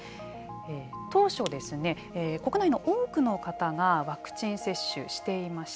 当初国内の多くの方がワクチン接種をしていました。